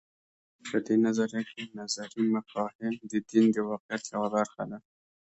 په دې نظریه کې نظري مفاهیم د دین د واقعیت یوه برخه ده.